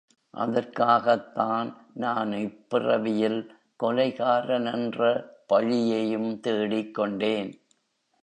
அதற்காகத்தான் நான் இப் பிறவியில் கொலைகாரனென்ற பழியையும் தேடிக் கொண்டேன்.